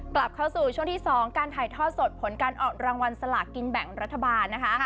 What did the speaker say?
กลับเข้าสู่ช่วงที่๒การถ่ายทอดสดผลการออกรางวัลสลากกินแบ่งรัฐบาลนะคะ